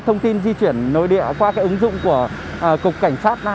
thông tin di chuyển nội địa qua cái ứng dụng của cục cảnh sát